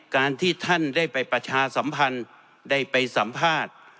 การที่ท่านได้ไปประชาสัมพันธ์ได้ไปสัมภาษณ์